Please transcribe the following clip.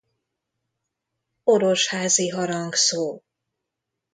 Orosházi Harangszó.